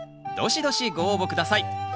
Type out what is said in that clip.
どしどしご応募下さい。